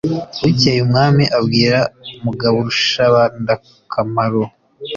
bukeye umwami abwira mugaburushabandakamaro